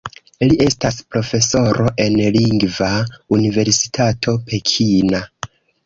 Li estas profesoro en Lingva Universitato Pekina.